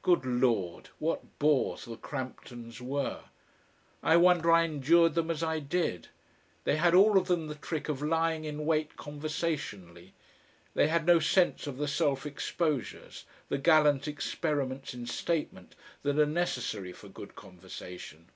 Good Lord! what bores the Cramptons were! I wonder I endured them as I did. They had all of them the trick of lying in wait conversationally; they had no sense of the self exposures, the gallant experiments in statement that are necessary for good conversation.